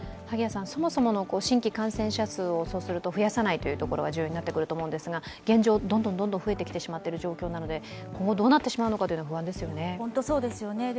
そもそも新規感染者数を増やさないというところが重要になってくると思いますが現状、どんどん増えてきてしまっている状況なので、今後どうなってしまうのかは不安ですよね。